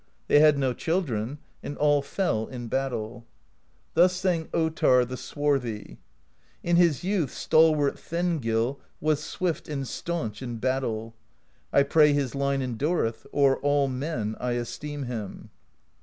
They had no children, and all fell in battle. Thus sang Ottarr the Swarthy: In his youth stalwart Thengill Was swift and staunch in battle: I pray his line endureth; O'er all men I esteem him.